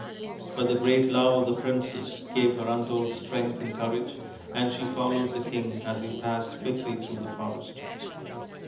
But the great love of the princess gave her untold strength and courage, and she followed the King as he passed quickly through the forest.